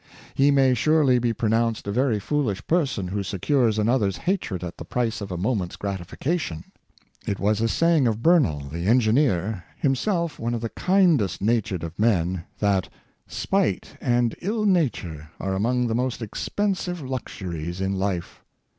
He may surely be pronounced a very foolish person who secures another's hatred at the price of a moment's gratification. It was a saying of Burnel, the engineer — himself one of the kindest natured of men — that ^^ spite and ill nature are among the most expensive luxuries in life."